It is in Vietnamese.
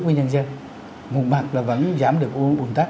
với nhân dân một mặt là vẫn